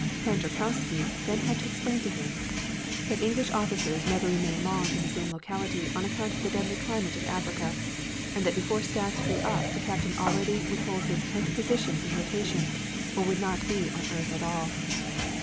Pan Tarkowski then had to explain to him that English officials never remain long in the same locality on account of the deadly climate of Africa, and that before Stas grew up the captain already would hold his tenth position in rotation or would not be on earth at all.